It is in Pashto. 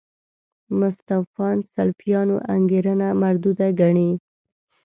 متصوفان سلفیانو انګېرنه مردوده ګڼي.